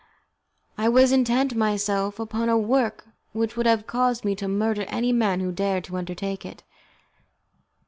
I was intent myself upon a work which would have caused me to murder any man who dared to undertake it.